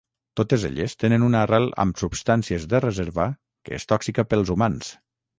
Totes elles tenen una arrel amb substàncies de reserva que és tòxica pels humans.